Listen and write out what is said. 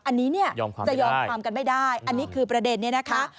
อันนี้เนี่ยจะยอมความกันไม่ได้อันนี้คือประเด็นนี้นะคะ